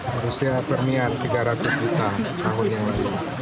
berusia premian tiga ratus juta tahun yang lalu